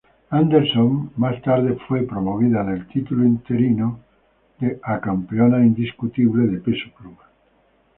Anderson más tarde fue promovida del título interino a campeona indiscutible peso pluma.